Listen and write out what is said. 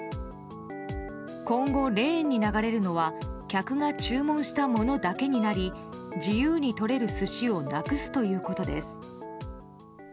今後、レーンに流れるのは客が注文したものだけになり自由に取れる寿司をなくすということです。